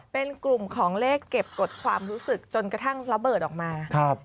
เป็นกลุ่มของเลขเก็บกฎความรู้สึกจนกระทั่งระเบิดออกมา